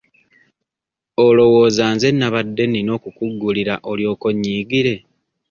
Olowooza nze nnabadde nnina okukuggulira olyoke onnyiigire?